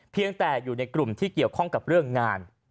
เพียงแต่อยู่ในกลุ่มที่เกี่ยวข้องกับเรื่องงาน